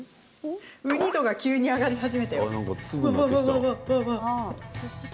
ウニ度が急に上がり始めたよ。